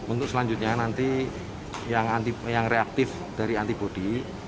untuk selanjutnya nanti yang reaktif dari antibody